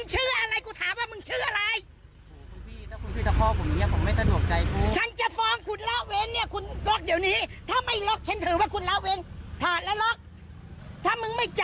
หมอนี่ทุกคนเดียวไม่ได้